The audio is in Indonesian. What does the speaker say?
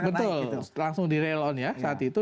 betul langsung di real on ya saat itu